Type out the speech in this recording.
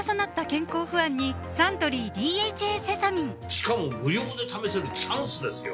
しかも無料で試せるチャンスですよ